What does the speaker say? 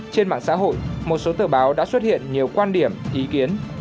trên mạng xã hội một số tờ báo đã xuất hiện nhiều quan điểm ý kiến